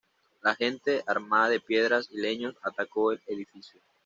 La gente, armada de piedras y leños, atacó el edificio.